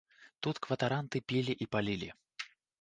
Тут кватаранты пілі і палілі.